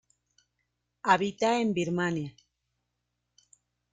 Habita en Birmania.